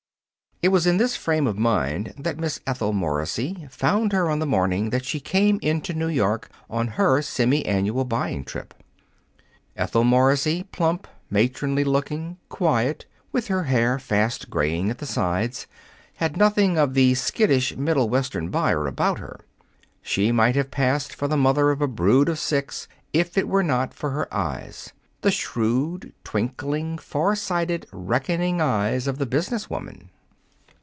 It was in this frame of mind that Miss Ethel Morrissey found her on the morning that she came into New York on her semi annual buying trip. Ethel Morrissey, plump, matronly looking, quiet, with her hair fast graying at the sides, had nothing of the skittish Middle Western buyer about her. She might have passed for the mother of a brood of six if it were not for her eyes the shrewd, twinkling, far sighted, reckoning eyes of the business woman.